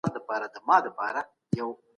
د کاري ستړیا مخنیوي لپاره استراحت مهم دی.